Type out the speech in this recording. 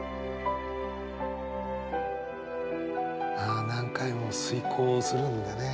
ああ何回も推こうするんだね。